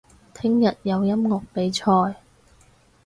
聽日有音樂比賽